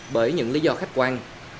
bởi những lý do khách quan